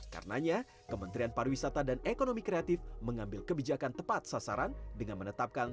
karenanya kementerian pariwisata dan ekonomi kreatif mengambil kebijakan tepat sasaran dengan menetapkan